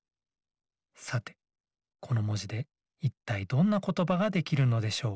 さてこのもじでいったいどんなことばができるのでしょう？